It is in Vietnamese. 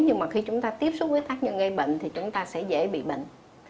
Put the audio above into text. nhưng mà khi chúng ta tiếp xúc với tác nhân gây bệnh thì chúng ta sẽ dễ bị bệnh